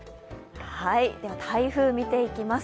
台風、見ていきます。